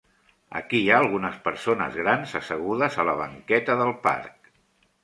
Aquí hi ha algunes persones grans assegudes a la banqueta del parc.